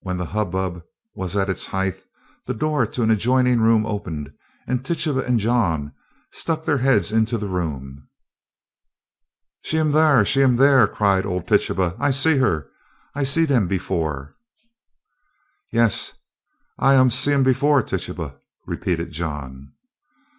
When the hubbub was at its height, the door to an adjoining room opened, and Tituba and John stuck their heads into the room. "She am dar! she am dar!" cried old Tituba. "I see her! I see dem bofe!" "Yes, I see um see um bofe, Tituba," repeated John.